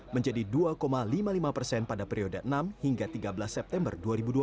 menjadi dua lima puluh lima persen pada periode enam hingga tiga belas september dua ribu dua puluh